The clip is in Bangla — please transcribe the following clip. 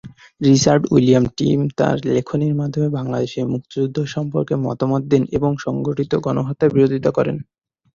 রিচার্ড উইলিয়াম টিম তার লেখনীর মাধ্যমে বাংলাদেশের মুক্তিযুদ্ধ সম্পর্কে মতামত দেন এবং সংঘটিত গণহত্যার বিরোধিতা করেন।